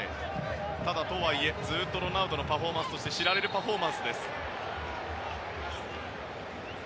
ただ、とはいえずっとロナウドのパフォーマンスとして知られるパフォーマンスです。